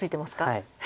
はい。